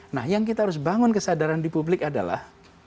nah yang kita harus bangun kesadaran di publik adalah